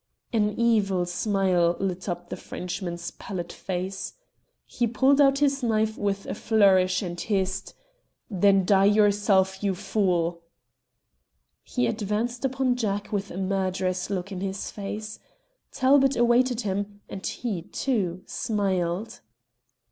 An evil smile lit up the Frenchman's pallid face. He pulled out his knife with a flourish and hissed "Then die yourself, you fool!" He advanced upon Jack with a murderous look in his face. Talbot awaited him, and he, too, smiled.